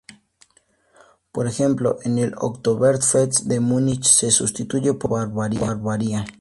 Por ejemplo, en el Oktoberfest de Múnich se sustituye por "Viva Bavaria!